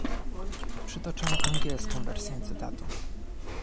Przytoczę angielską wersję cytatu